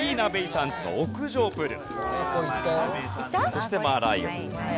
そしてマーライオンですね。